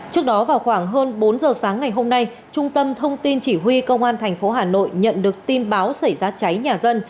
trước đó vào khoảng hơn bốn giờ sáng ngày hôm nay trung tâm thông tin chỉ huy công an tp hà nội nhận được tin báo xảy ra cháy nhà dân